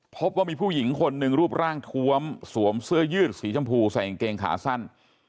พบว่ามีผู้หญิงคนหนึ่งรูปร่างทวมสวมเสื้อยืดสีชมพูใส่กางเกงขาสั้น